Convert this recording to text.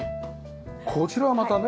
こちらはまたね。